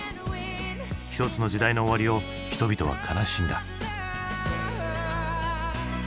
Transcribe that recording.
一つの時代の終わりを人々は悲しんだ。